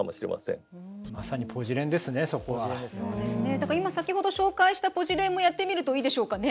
だから今先ほど紹介したぽじれんもやってみるといいでしょうかね。